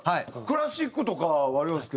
クラシックとかは涼介